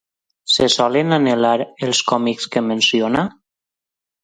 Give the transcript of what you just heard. Se solen anhelar els còmics que menciona?